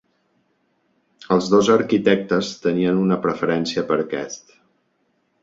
Els dos arquitectes tenien una preferència per a aquest.